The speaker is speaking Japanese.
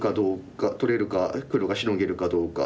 取れるか黒がシノげるかどうか。